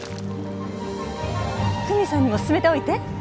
久美さんにも勧めておいて。